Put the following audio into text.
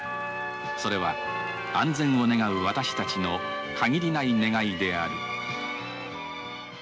それは安全を願う私たちの限りない願いである。